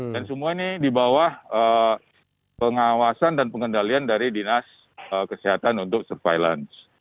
dan semua ini di bawah pengawasan dan pengendalian dari dinas kesehatan untuk surveillance